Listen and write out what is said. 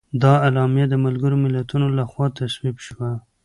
دا اعلامیه د ملګرو ملتونو لخوا تصویب شوه.